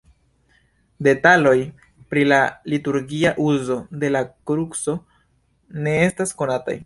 Detaloj pri la liturgia uzo de la kruco ne estas konataj.